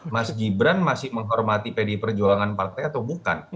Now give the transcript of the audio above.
mas gibran masih menghormati pdi perjuangan partai atau bukan